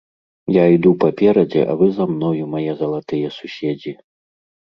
Я іду паперадзе, а вы за мною, мае залатыя суседзі.